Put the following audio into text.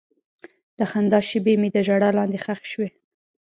د خندا شېبې مې د ژړا لاندې ښخې شوې.